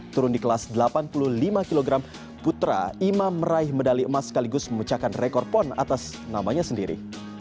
turun di kelas delapan puluh lima kg putra imam meraih medali emas sekaligus memecahkan rekor pon atas namanya sendiri